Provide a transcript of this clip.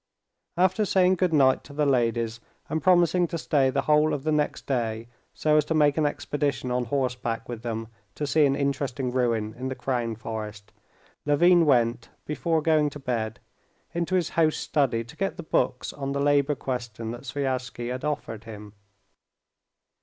After saying good night to the ladies, and promising to stay the whole of the next day, so as to make an expedition on horseback with them to see an interesting ruin in the crown forest, Levin went, before going to bed, into his host's study to get the books on the labor question that Sviazhsky had offered him.